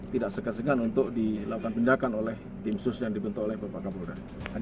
tidak sekesengan untuk dilakukan pendidikan oleh tim sus yang dibentuk oleh bapak kapolda